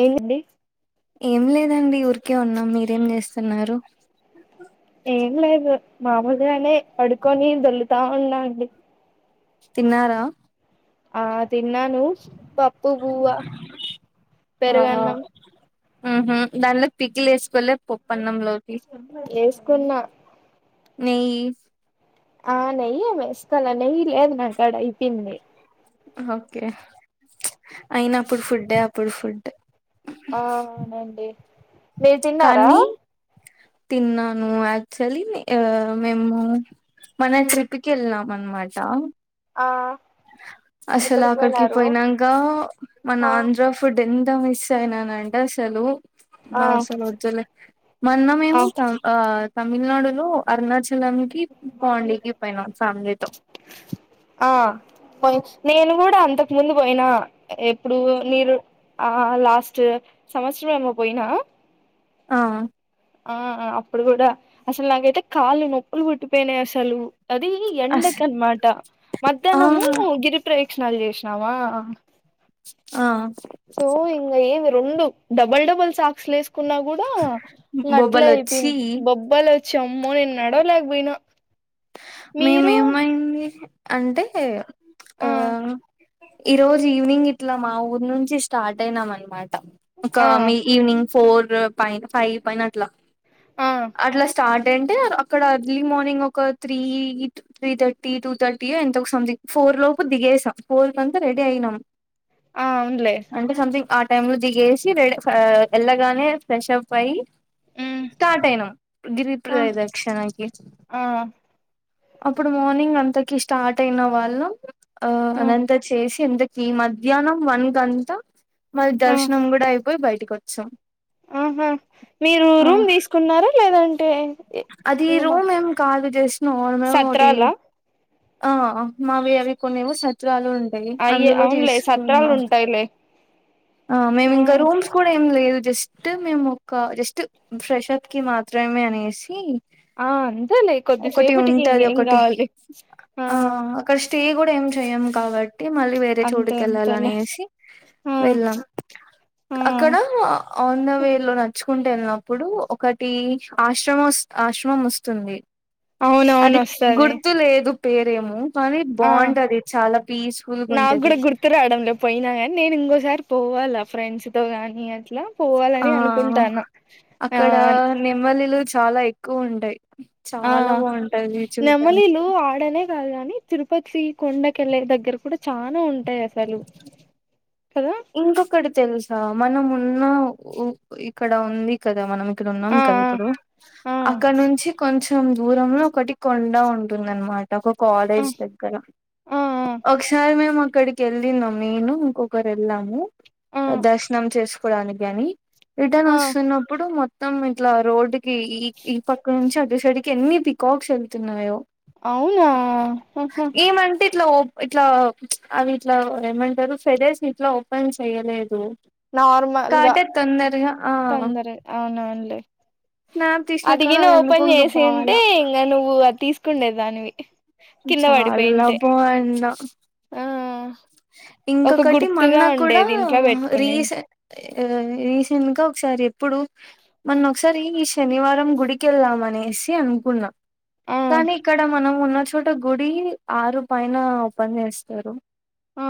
ఏంటండి ఏం లేదండి ఊరికే ఉన్నాం మీర్ ఏం చేస్తున్నారు ఏం లేదు మామూలుగానే పడుకొని దోళ్లుతా ఉన్నా అండి తిన్నారా ఆ తిన్నాను పప్పు బువ్వ పెరుగన్నం ఉహ్మ్ దానిలో పిక్లెస్ పోలే పొప్పణం లోకి వేసుకున్నా నెయ్ ఆ నెయ్యి వేస్తాగా నెయ్యి లేదు నాక్కడ ఐపోయిన్ది ఓకే అయినాప్పుడు ఫుడ్డే అప్పుడు ఫుడ్ ఆ అవునండి మీరు తిన్నారా కానీ తిన్నాను యాక్టుల్లి ఆ మేము మన ట్రిప్కెల్లం మాన్మాట ఆ అసల్ ఎక్కడికి అక్కడికి పోయినారు పోయినక్కా మన ఆ ఆంధ్ర ఫుడ్ ఎంత ఎంత మిస్ ఐనానంటే అసలు ఆ బా అసల్లోదులే ఆ మొన్నమేము త ఆ తమిళనాడులో అరుణాచల్ లెంకి పొండికి పోయినం ఫ్యామిలీతో పవ్చ్ నేను కూడా అంతకు ముందు పోయినా ఎప్పుడు మీరు ఆ లాస్ట్ సంవత్సరం ఎమో పోయిన ఆ ఆ అప్పుడు కూడా అసల్ నాకైతే కాళ్ళు నొప్పులు కుట్టిపెన్నాయి అసలు అది అస్ ఎండకన్మాట ఆ మధ్యాహ్నము గిరిప్రే నలు చెస్నమ ఆ సో ఇంగ ఏమీ రెండు డబల్ డబల్ సాక్స్లేస్ కున్నా కూడా ఇగ బొబ్బలొచ్చి అట్లేఆపోయింది బొబ్బలోచి అమ్మో నేను నడవలేకపోయినా మీరు మేమేమైంది అంటే ఆ ఈ రోజు ఈవినింగ్ ఇట్లా మా ఊరు నుంచి స్టార్ట్ అయినాం అన్మాట ఒక ఆ మీ ఈవినింగ్ ఫోర్ పైన ఫైవ్ పైన అట్లా ఆ అట్లా స్టార్ట్ అంటే అక్కడ అర్లీ మార్నింగ్ ఒక త్రీ త్రీథర్టీ టూ థర్టీయో ఎంతో సంథింగ్ ఫోర్ లోపు దిగేసాం ఫోర్ కంతా రెడీ అయినాం ఆ అవునులే అంటే సమ్థింగ్ ఆ ట్రైన్ కుడా దిగేసి రె ఎళ్లగానే ఫ్రెషప్ అయ్యి మ్మ్ స్టార్ట్ అయినాం గీరి ఆ ప్రదక్షిణకి ఆ అప్పుడు మార్నింగ్ అంతకి స్టార్ట్ అయిన వాళ్ళం ఆ మ్మ్ అదంతా చేసి కిందకి మధ్యాహ్నం వన్ కాంత మరి ఆ దర్శనం కూడా అయిపోయి బైటకొచం ఆహా మీరు రూమ్ తీసుకున్నారా లేదంటే ఇ- అది ఇంగ మా రూమ్ మేం కాలీ చేసినం మేము ఒకటి. సత్రాలా ఆహ్ ఆహ్ మావి అవి కొన్నేమో షట్. చ్రాలు ఉంటాయి అయ్యే అందులో అవునులే సత్రాలు తీసుకున్నా. ఉంటాయిలే ఆహ్ మేమింకా రూమ్స్ కూడా ఏమి లేదు. జస్ట్ మేము ఒక జస్ట్ ఫ్రెష్ప్ కి మాత్రమే అనేసి. ఆ అంతేలే ఒకటి కొద్దిసేపటికి ఉంటది ఇంకేం ఒకటి కావాలి ఆ ఆహ్ అక్కడ స్టే కూడా ఏం చే. చేయం కాబట్టి మళ్ళీ వేరే అంతే చోటుకి అంతేలే వెళ్ళాలనేసి ఆ వెళ్ళాం. ఆ అక్కడ ఆన్ ద వే లో నడుచుకుంటూ వెళ్ళినప్పుడు ఒకటి. ఆశ్రమ వస్ ఆహ్ ఆశ్రమం వస్తుంది అవునవును అది గుర్తు లేదు. పేరేమో. కానీ ఆహ్ బాగుంటది చాలా పీస్ఫుల్గా నాకు ఉంటది కూడా గుర్తు రావడంలో పోయినా కానీ నేను ఇంకోసారి. పోవాలా ఫ్రెండ్స్ తో గానీ అట్లా. ఆ పోవాలనే అనుకుంటా ఉన్న అక్కడ ఆన్. నెమ్మలిలు చాలా ఎక్కువ ఉంటాయి. చాలా ఆహ్ బాగుంటది చూడ్డానికి నెమ్మలీలు ఆడనే. రాదు కాని తిరుపతి కొండకెల్లే దగ్గర కూడా చానా ఉంటాయి అసలు. కదా ఇంకొకటి తెలుసా మనం ఉన్న ఇక్కడ ఉంది కదా మనం. ఇక్కడ ఉన్నాం ఆ కదా ఇప్పుడు ఆ అక్కడ నుంచి కొంచెం. కొంచెం దూరంలో ఒకటి కొండ ఉంటుంది అనమాట. ఒక ఆ కాలేజ్ దగ్గర ఆ ఒకసారి మేము అక్కడికి వెళ్ళినాం నేను ఇంకొక. వెళ్ళాము ఆ ఆ దర్శనం చేసుకోవడానికాని రిటర్న్ ఆ వస్తున్నప్పుడు మొత్. మొత్తం ఇట్లా రోడ్డుకి ఈ ఈ పక్క నుంచి అటుసైడుకి ఎన్ని పికాక్స్ వెళ్తున్నాయో. అవునా ఆహ్. ఏమంటే ఇట్లా ఇట్లా ప్చ్ అవి ఇట్లా ఏమంటారు ఫెదర్స్ ను ఇట్లా ఓపెన్ చేయలేదు. నార్మల్గా కాటర్ తొందరగా ఆ తొందరగా అవును అవునులే. స్నాప్ తీసినా కానీ అదిగినే అది ఎందుకో ఓపెన్ ఇంకా బాల చేసింటే ఇంకా నువ్వు అది తీసుకుండే దానివి. చాలా కిందపడిపోయింటే బాగుండ ఆహ్. ఇంకొకటి మొన్న కూడా. ఉండేది ఇంట్లో రీసె పెట్టుకునింటే ఆహ్ రీసెంట్ గా ఒకసారి ఎప్పుడు మొన్న ఒకసారి ఈ. శనివారం గుడికెళ్దామనేసి అనుకున్నా ఆ కానీ ఇక్కడ మనం ఉన్న. చోట గుడి ఆరు పైన ఓపెన్ చేస్తారు. ఆ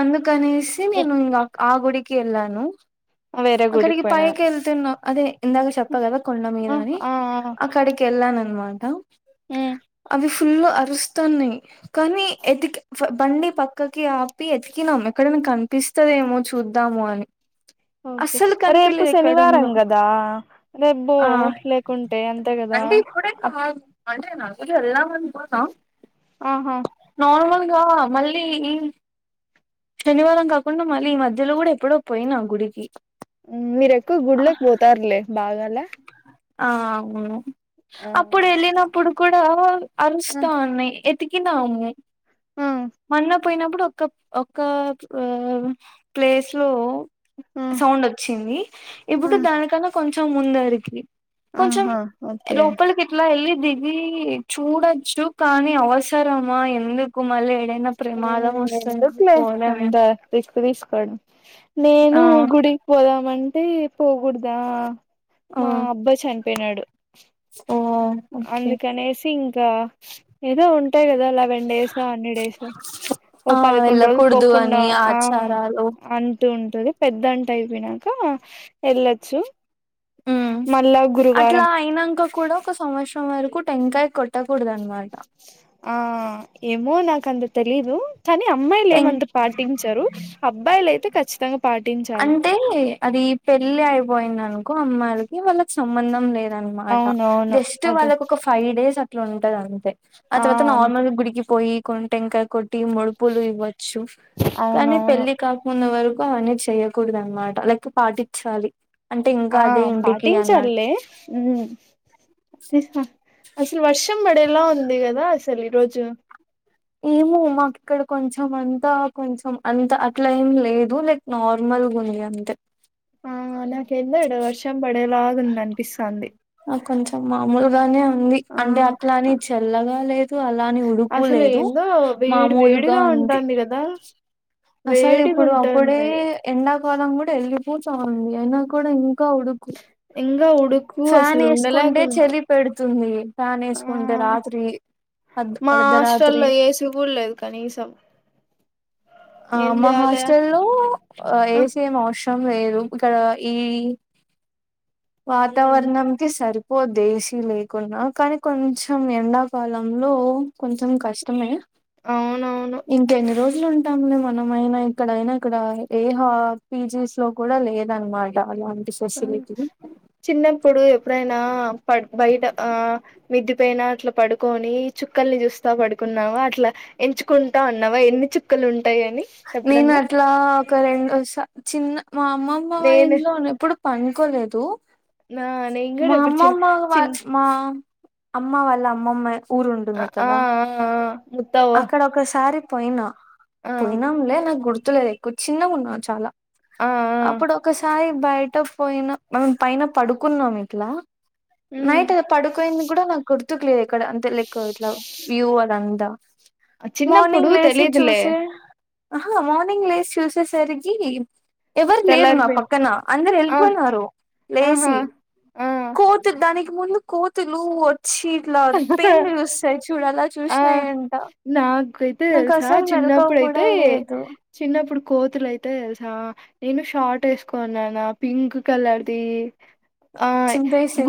అందుకనేసి నేను ఇక ఆ గుడికి వెళ్ళాను. ఆ వేరే గుడికి అక్కడికి పోయినా పైకి వెళ్తున్నా అదే ఇందాక చెప్పగదా కొండ మీద ఆ అని. ఆ అక్కడికి వెళ్లాను అన్. అనమాట ఉమ్ అవి ఫుల్ అరుస్తాన్నాయి కానీ ఎతికి. బండి పక్కకి ఆపి ఎతికినాం ఎక్కడైన కనిపిస్తదేమో చూద్దాము అని. ఓకే అస్సలు రేపు కనిపిలేదు శనివారం ఎక్కడుందో కదా రేపుబో ఆ లేకుంటే అంత. అంటే కూడా [unintelligible] అంటే నాకు కూడా వేలద్దామనుకుంటున్నా. ఆహా. ఇకా మళ్ళీ. శనివారం కాకుండా మళ్ళీ ఈ మధ్యలో కూడా ఎప్పుడో పోయినా గుడికి. మీరేక్కువ గుడ్లోకి పోతారులే బాగాలే. ఆహ్ అవును ఆ అప్పుడు వెళ్ళినప్పుడు కూడా ఆ అరుస్తా ఉన్నాయి ఎత్. ఎతికినాము ఆ కనప. పోయినప్పుడు ఒక్క ఒక్క ఆహ్ ప్లేస్ లో. ఆ సౌండ్ వచ్చింది ఇప్పుడు దానికన్నా కొంచెం ముందరికి కొంచెం ఆహా ఓకే లోపలికిట్లా వెళ్ళి ఇది చూడచ్చు కానీ అవసరమా ఎందుకు మళ్ళీ ఏడైనా ప్రమాదం వస్తదని ఎందుకులే పోలేమే అంత రిస్క్ తీస్ అక్కడ నేను ఆ గుడికి పోదామంటే పోకూడదా ఓ మా అబ్బాయి చనిపోయినాడు ఓ ఓకే అందుకనేసి ఇంకా ఏదో ఉంటాయి కదా లా సెవన్ డేస్ అన్ని డేస్ ఓ ఆ పదకొండు రోజులు వెళ్ళకూడదు పోకుండా అని ఆ ఆచారాలు అంటూ ఉంటది పెద్దంట అయిపోయినంక వెళ్ళొచ్చు ఉ మళ్ళా అట్లా గురువారం అయినంక కూడా ఒక సంవత్సరం వరకు టెంకాయ కొట్టకూడద మరి ఆ ఏమో నాకంత తెలీదు కానీ అమ్మాయిలు టెం ఏమంత పాటించరు అబ్బాయిలు అయితే ఖచ్చితం అంటే అది పెళ్ళి అయిపోయింది అనుకో అమ్మాయిలకి వాళ్ళకి సంబంధం లేదు అనమాట అవునవును జస్ట్ అదే వాళ్ళకి ఒక ఫైవ్ డేస్ అట్ల ఉంటది అంతే ఆ తరువాత నార్మల్ గుడికి పోయి కొన్ టెంకాయ కొట్ ముడుపులు ఇవ్వచ్చు కానీ అవునవును పెళ్లి కాకుండ వరకు చెయ్యకూడదు అనమాట లైక్ పాటించాలి అంటే ఇంకా ఆ అదే ఇంటికి అన్నాడు పాటించాళ్లే ఉ అసలు వర్షం పడేలా ఉంది కదా అసలు ఈ రోజు ఏమో మాకు ఇక్కడ కొంచెం అంతా కొంచెం అంత అట్లా ఏం లేదు లైక్ నార్మల్ నార్మల్ గుంది అంతే ఆ నాకేందో ఇడా వర్షం పడేలాగా ఉంది అనిపిస్తాంది కొంచెం మామూలుగానే ఉంది ఆ అంటే అట్లాని చల్లగా లేదు అలాని ఉడుకు లేదు ఎందో వేడి మామూలుగా వేడిగా ఉంది ఉంటంది కదా అసలు వేడిగా ఇప్పుడు అప్పుడే ఉంటుంది ఎండాకాలం కూడా వెలిగిపోతా ఉంది అయినా కూడా ఇం ఇంగా ఉడుకు ఫ్యాన్ అసలు వేసుకుంటే ఉండలేకున్నాం చలి పెడుతుంది ఫ్యాన్ ఆ వేసుకుంటే రాత్రి అర్ధ మా అర్ధరాత్రి హాస్టల్లో ఏ సివుడు లేదు కనీసం ఆ ఏం మా చేయాలి హాస్టల్లో ఆ ఏసీ ఏం అవసరం వేరు ఇక్కడ ఈ ఉమ్ వాతావరణంకి సరి పోద్ది ఏశీ లేకున్నా కానీ కొంచెం ఎండాకాలంలో కొంచెం కష్టమే అవునవును ఇంక ఎన్ని రోజులుం మనమైనా ఇక్కడైనా ఇక్కడ ఏ హ పీజీస్ లో కూడా లేదనమాట అలాంటి ఫెసిలిటీ చిన్నప్పుడు ఎప్పుడైనా పడ్ బయట ఆ మిద్ది ఫైనా అట్లా పడుకొని చుక్కల్ని చూస్తా పడుకున్నాము అట్లా ఎంచుకుంటా అన్నావా ఎన్ని చుక్కలు ఉంటా నేను అట్లా ఒక రెండో చిన్న మా అమ్మమ్మ వాళ్ల నేను ఇంట్లోనీ ఎప్పుడు పనుకోలేదు నా నేను కూడా మా ఇప్పుడు చిన్ అమ్మమ్మ వా చిన్ మా అమ్మ వాళ్ళ అమ్మమ్మయి ఆ ఊరుంటుంది ఆ కదా ఆ ముత్తవ్వ అక్కడ ఒకసారి పోయినా ఆ పోయినాంలే నాకు గుర్తు గుర్తులేదు ఎక్కువ చిన్నగా ఉన్నా చాలా ఆ ఆ అప్పుడు ఒకసారి బయట పోయినా మేం పైన పడుకున్నాం ఇట్లా ఉమ్ నైట్ అది పడుకోనింది కూడా నాకు గుర్తుకులేదు ఇక్కడ అంతే లైక్ ఇట్లా వ్యూ అదంతా చిన్నప్పుడు మార్నింగ్ లేసి తెలీదులే చూసె ఆహా మార్నింగ్ లేస్ చూసేసరికి ఎవరు లేరు నా తెల్లారిపోయిన్ పక్కన అందరు ఆ ఎళ్ళిపోయినారు ఆహా లేసి ఆ కోతు దాని పూలు కోతులు వచ్చి ఇట్లా పేన్లు చూస్తాయి చూడాల ఆ చూసినాయం నాకైతే తెల్సా మెలకువ కూడా చిన్నప్పుడుయితే లేదు చిన్నప్పుడు కోతులు అయితే తెల్సా నేను షార్ట్ వేసుకోన్నానా పింక్ కలర్ది ఆ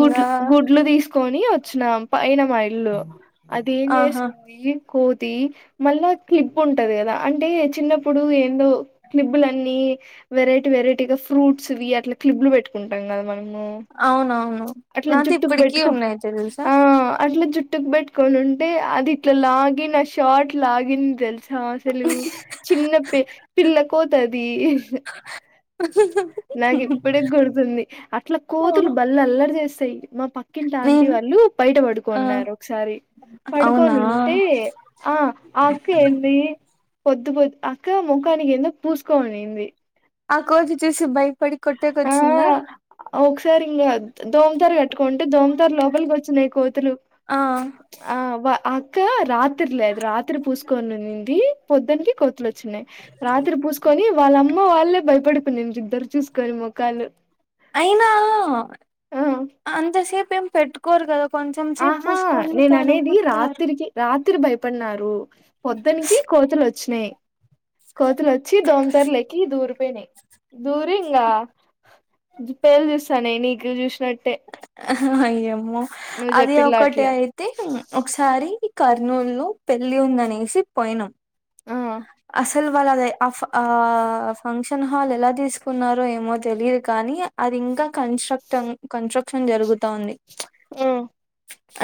గుడ్ గుడ్లు తీసుకొని వచ్చినం పైన మా ఇల్లు అదేం ఆహా చేసింది కో మళ్ళా క్లిబ్ ఉంటది కదా అంటే చిన్నప్పుడు ఏందో క్లిబ్బలన్నీ వెరైటీ వెరైటీ గా ఫ్రూట్స్వి అట్లా క్లిబ్లు పెట్టుకుంటాం కదా మనం అవునవును అట్లా నాది జుట్టుకు ఇప్పటికీ బెట్కొ ఉన్నాయి తెలుసా ఆ అట్లా జుట్టుకు పెట్టుకొన్ ఉంటే అది ఇట్లా లాగి ఆ షార్ట్ లాగింది తెల్ అసలు చిన్న పి పిల్ల కోతది నాకు ఇప్పుడే గుర్తుంది అట్లా కోతులు బళ్ల్ళ అల్లరి చేస్తాయి మా పక్ పక్కింటి ఆంటీ నేను వాళ్ళు బయట ఆ పడుకొన్నారు ఒకసారి అవునా పడుకొని ఉంటే ఆ అక్క ఏంది పొద్దు పొద్దు అక్క ముఖానికి ఏందో పూసుకోనింది ఆ కోతి చూసి భయపడి కొట్టేకొచ్చిందా సరింగ దోమతారు కట్టుకోంటే దోమతర లోపలికి వచ్చినాయి కోతులు ఆ ఆ వ ఆ క రాత్ రాత్రి లేదు రాత్రి పూసుకొనింనింది పొద్దునకి కొతులు వచ్చినన్నాయి రాత్రి పూసుకొని వాళ్ళమ్మ వాళ్ళే భయపడిపోయిన ఇద్దరు చూ అయినా ఆ అంతసేపు ఏం పెట్టుకోరు కదా కొంచెం సేపు ఆహా పూసుకొని నేను అనేది కడుగుతారు రాత్రికి రాత్ త్రి భయపడ్ననారు పొద్దున్కి కోతలు వచ్చినాయ్ కోతులోచ్చి దోమతర్లేకి దూరుపోయినై దూరి ఇంగ పేలు చూస్తనాయ్ నీకు చూసినట్టే అయ్యేమో అది ఒకటి జెప్పిల్లాట్లే. అయితే ఒకసారి కర్నూలు లో పెళ్లి ఉందనేసి పోయినాం ఆ! అసలు వాళ్ళ అదె ఆ ఫ ఆ ఫంక్షన్ హాల్ ఎలా తీసుకున్నారో ఏమో తెలిదు కా కానీ అది ఇంకా కన్స్ట్రక్ట్ కన్స్ట్రక్షన్ జరుగుతాంది ఉ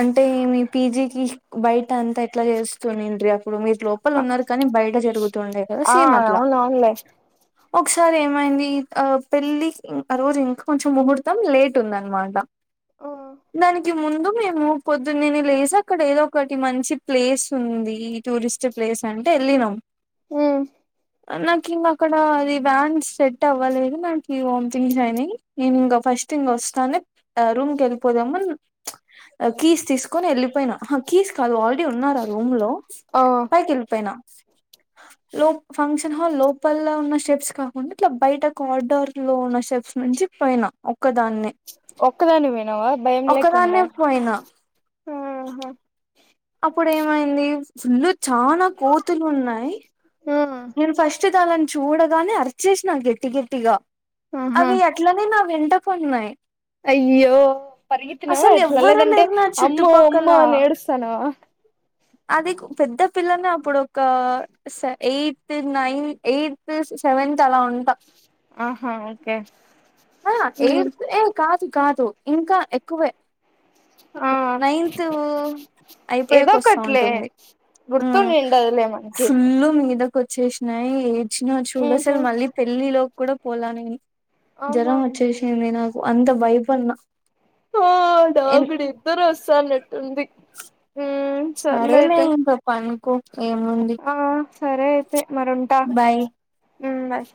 అంటే మీ పీజీకి బయట అంతా ఎట్లా చేస్తునింట్రి అప్ అప్పుడు మీరు లోపల ఆహ్, ఉన్నారు కానీ బయట జరుగుతుండే కదా ఆ సేమ్ అట్లా అవునవునులే. ఒకసారి ఏమైంది ఆ పెళ్ళి ఆ రోజు ఇంకా కొంచెం ముహూర్తం లేట్ ఉందనమాట ఆ! దానిక్ ముందు మేము పొద్దున్నే నే లేదు అక్కడ ఏదో ఒకటి మంచి ప్లేస్ ఉంది ఈ టూరిస్ట్ ప్లే ప్లేస్ అంటే వెళ్ళినాం ఉ నాకు ఇంగ అక్కడది వ్యాన్ సెట్ అవ్వలేదు నాకు వామ్ థింగ్స్ అయినాయి నేను ఇంకా ఫస్ట్ స్ట్ ఇంగ వస్తానే రూమ్ కెళ్ళిపోదామన్ కీస్ తీసుకొని ఎళ్ళిపోయినా అహ కీస్ కాదు ఆల్రెడీ ఉన్నారు ఆ రూమ్ లో ఆ! పైకి ఎళ్ళిపోయినా లో ఫంక్షన్ హాల్లో లోపల్లో ఉన్న షెప్స్ కాకుండా ఇట్లా బయటకు ఆర్డర్లో ఉన్న షెప్స్ ను మంచిపోన ఒక్కదాన్నే ఒక్కదానివే పోయినావా భయం లేకుండా ఒక్కదాన్నే పోయినా ఆహ అప్పుడు ఏమైంది ఫుల్లు చాన కోతులు ఉన్నయ్ ఆ! నేను ఫస్ట్ దాళ్ళని చూడగానే అరిచేసినా గట్టి గట్టిగా ఆహా! అవి అట్లనే నా వెంట పన్నాయి అయ్యో పరిగెత్తినవా అసలు ఎట్లా ఎవ్వరు లేదంటే లేరు నా అమ్మ అమ్మ చుట్టుపక్కల అని ఏడుస్తనావా అది పెద్ద పిల్లనే అప్పుడు ఒక స ఎయిట్ త్ నైన్ ఎయిత్ సెవెన్త్ అలా ఉంటా ఆహా ఓకే ఆ ఏ హ్మ్. ఏ కాదు కాదు ఇంకా ఎక్కువే ఆ! నైన్త్ ఏదో అయిపోయక వస్తా ఒకట్లే ఉంటది ఉ గుర్తుండిండదులే మనకి ఫుల్ మిద వచ్చేసినాయి ఏజ్ ను చూడు ఉహు అసలు మళ్ళీ పెళ్లి లో కూడా పోలా నేని ఆహా జ్వరం వచ్చేసింది నాకు అంత భయపడిన ఆ డాగుడు నిద్దర వస్త అన్నట్టుంది సరేలే ఇంక పనుకు ఆ సరే అయితే మరి ఉంట బాయ్ బయ్